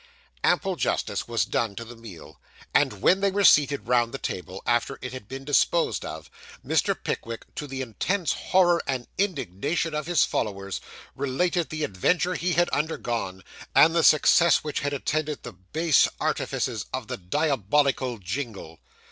Ample justice was done to the meal; and when they were seated round the table, after it had been disposed of, Mr. Pickwick, to the intense horror and indignation of his followers, related the adventure he had undergone, and the success which had attended the base artifices of the diabolical Jingle.